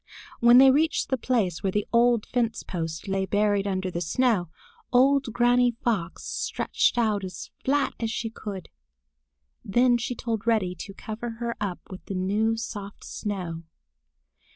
When they reached the place where the old fence post lay buried under the snow, old Granny Fox stretched out as flat as she could. Then she told Reddy to cover her up with the new soft snow.